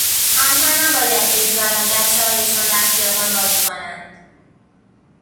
آنها نباید بگذارند بچههایشان در خیابان بازی کنند.